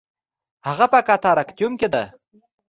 هغه په کاتاراکتیوم کې ده